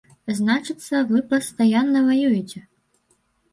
Значыцца, вы пастаянна ваюеце.